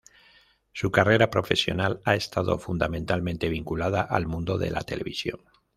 Su carrera profesional ha estado fundamentalmente vinculada al mundo de la televisión.